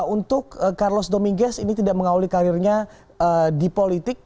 untuk carlos domingkes ini tidak mengawali karirnya di politik